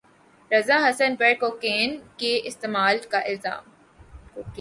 رضا حسن پر کوکین کے استعمال کا الزام